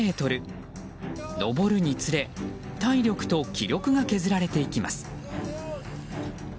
登るにつれ体力と気力が削られていきます。